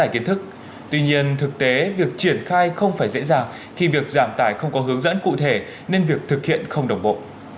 khi việc giảm tài không có hướng dẫn cụ thể nên việc thực hiện không đồng bộ